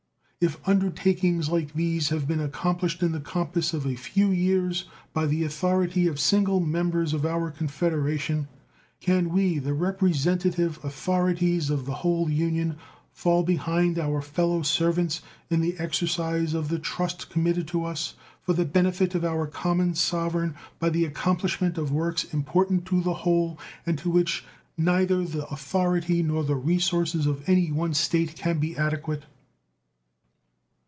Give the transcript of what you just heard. If undertakings like these have been accomplished in the compass of a few years by the authority of single members of our Confederation, can we, the representative authorities of the whole Union, fall behind our fellow servants in the exercise of the trust committed to us for the benefit of our common sovereign by the accomplishment of works important to the whole and to which neither the authority nor the resources of any one State can be adequate?